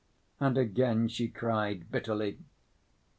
And again she cried bitterly.